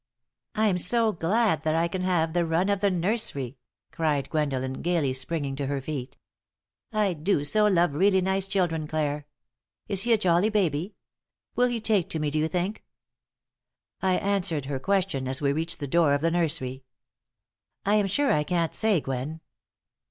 "I'm so glad that I can have the run of the nursery," cried Gwendolen, gaily, springing to her feet. "I do so love really nice children, Clare! Is he a jolly baby? Will he take to me, do you think?" I answered her question as we reached the door of the nursery: "I am sure I can't say, Gwen.